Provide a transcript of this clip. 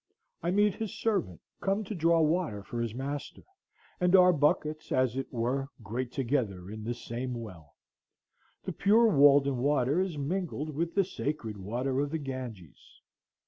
I meet his servant come to draw water for his master, and our buckets as it were grate together in the same well. The pure Walden water is mingled with the sacred water of the Ganges.